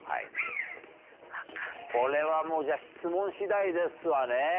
これはもう質問次第ですわね。